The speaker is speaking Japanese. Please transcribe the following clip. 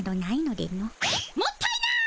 もったいない！